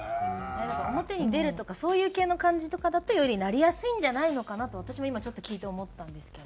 なんか表に出るとかそういう系の感じとかだとよりなりやすいんじゃないのかなと私も今ちょっと聞いて思ったんですけど。